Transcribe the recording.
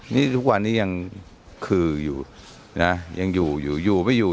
นี่ทุกวันนี้ยังคืออยู่นะยังอยู่อยู่ไม่อยู่